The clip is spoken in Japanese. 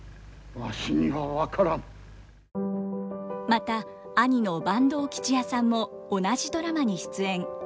また兄の坂東吉弥さんも同じドラマに出演。